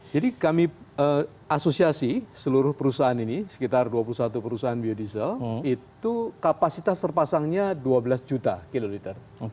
jadi kami asosiasi seluruh perusahaan ini sekitar dua puluh satu perusahaan biodiesel itu kapasitas terpasangnya dua belas juta kiloliter